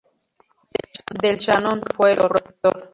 Del Shannon fue el productor.